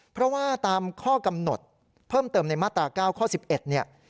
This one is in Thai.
เพราะว่าตามข้อกำหนดเพิ่มเติมในมาตรา๙ข้อ๑๑เนี่ย